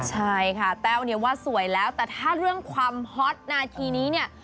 ใช่ค่ะแต้วเนี่ยว่าสวยแล้วแต่ถ้าเรื่องความฮอตนาทีนี้เนี่ย